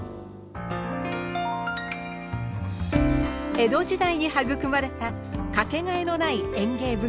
江戸時代に育まれたかけがえのない園芸文化。